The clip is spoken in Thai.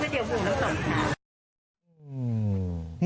เพื่อเจียบบุหร์แล้วส่งค่ะ